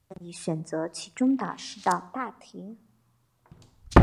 考生可以任意选择其中十道大题